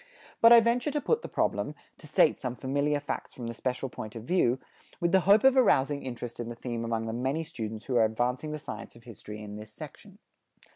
But I venture to put the problem, to state some familiar facts from the special point of view, with the hope of arousing interest in the theme among the many students who are advancing the science of history in this section.